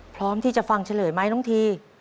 พร้อมที่จะฟังเฉลยไหมน้องที